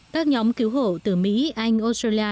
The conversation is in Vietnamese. các nhóm cứu hộ từ mỹ anh australia